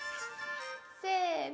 せの！